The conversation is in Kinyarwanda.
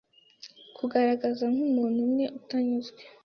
Kugaragara nkumuntu umwe utanyuzwe